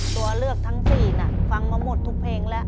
ตัวเลือกทั้ง๔น่ะฟังมาหมดทุกเพลงแล้ว